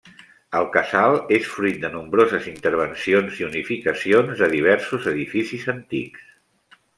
El casal és fruit de nombroses intervencions i unificacions de diversos edificis antics.